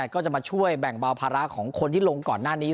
ก็จะมาช่วยแบ่งเบาภาระของคนที่ลงก่อนหน้านี้